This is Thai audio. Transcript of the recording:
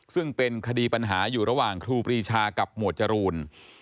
ซึ่งเป็นคดีปัญหาอยู่ระหว่างครูปรีชากับหมวดจรูน